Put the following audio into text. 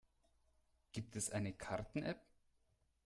Gibt es eine Karten-App?